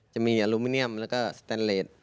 จะมีอลูมิเนียมแล้วก็สแตนเลส